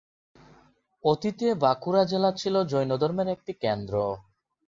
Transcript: অতীতে বাঁকুড়া জেলা ছিল জৈনধর্মের একটি কেন্দ্র।